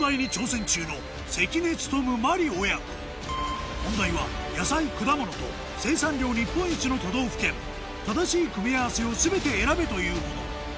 親子問題は「野菜・果物と生産量日本一の都道府県正しい組み合わせをすべて選べ」というもの